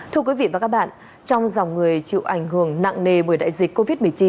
thưa quý vị và các bạn trong dòng người chịu ảnh hưởng nặng nề bởi đại dịch covid một mươi chín